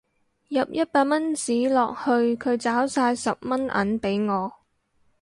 入一百蚊紙落去佢找晒十蚊銀俾我